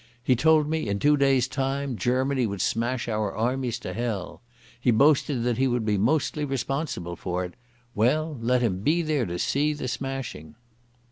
He told me in two days' time Germany would smash our armies to hell. He boasted that he would be mostly responsible for it. Well, let him be there to see the smashing."